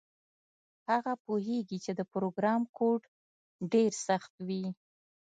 هغه پوهیږي چې د پروګرام کوډ ډیر سخت وي